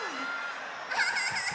アハハハハ！